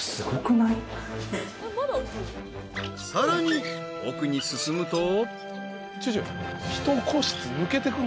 ［さらに奥に進むと］